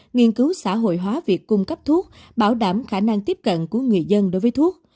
nghiên cứu xã hội hóa việc cung cấp thuốc bảo đảm khả năng tiếp cận của người dân đối với thuốc